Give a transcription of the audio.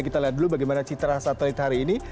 kita lihat dulu bagaimana citra satelit hari ini